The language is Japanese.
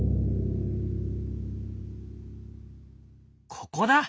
ここだ。